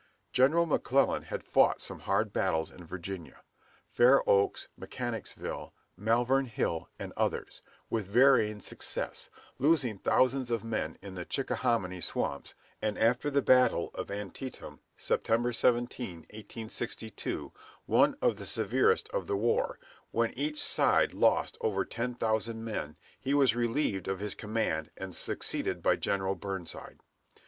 General McClellan had fought some hard battles in Virginia Fair Oaks, Mechanicsville, Malvern Hill, and others with varying success, losing thousands of men in the Chickahominy swamps, and after the battle of Antietam, Sept. 17, 1862, one of the severest of the war, when each side lost over ten thousand men, he was relieved of his command, and succeeded by General Burnside.